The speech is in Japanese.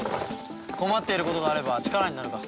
困っていることがあれば力になるが。